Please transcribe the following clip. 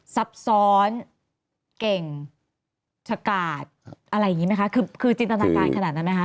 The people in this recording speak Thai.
ปรับซ้อนเก่งชะกาดอะไรอย่างนี้มั้ยคะคือจิตภัณฑ์การขนาดนั้นไหมคะ